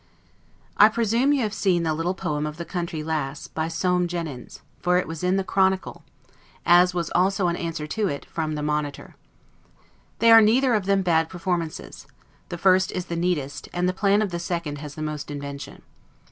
I presume you have seen the little poem of the "Country Lass," by Soame Jenyns, for it was in the "Chronicle"; as was also an answer to it, from the "Monitor." They are neither of them bad performances; the first is the neatest, and the plan of the second has the most invention.